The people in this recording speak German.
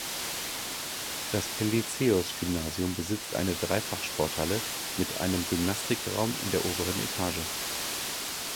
Das Pelizaeus-Gymnasium besitzt eine Dreifach-Sporthalle mit einem Gymnastikraum in der oberen Etage.